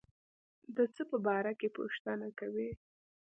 د څه په باره کې پوښتنه کوي.